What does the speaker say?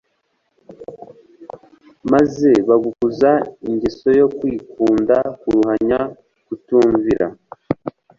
Maze bagakuza ingeso yo kwikunda kuruhanya kutumvira